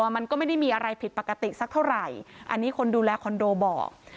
มันก็ไม่ได้มีอะไรผิดปกติสักเท่าไหร่อันนี้คนดูแลคอนโดบอก